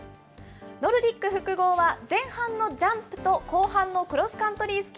ノルディック複合は、前半のジャンプと後半のクロスカントリー